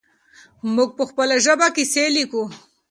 موږ په خپله ژبه کیسې لیکو.